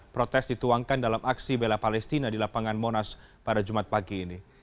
protes dituangkan dalam aksi bela palestina di lapangan monas pada jumat pagi ini